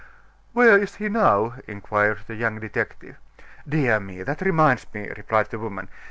"Where is he now?" inquired the young detective. "Dear me! that reminds me," replied the woman.